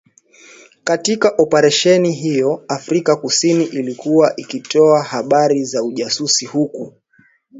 Katika Oparesheni hiyo, Afrika kusini ilikuwa ikitoa habari za ujasusi huku